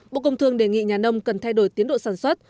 bộ công thương đề nghị nhà nông cần thay đổi tiến độ sản xuất